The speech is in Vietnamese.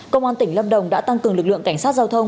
công an tỉnh lâm đồng đã tăng cường lực lượng cảnh sát giao thông